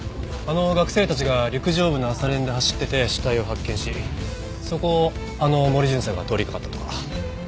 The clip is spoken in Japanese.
あの学生たちが陸上部の朝練で走ってて死体を発見しそこをあの森巡査が通りかかったとか。